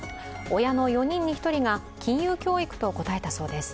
親の４人に１人が金融教育と答えたそうです。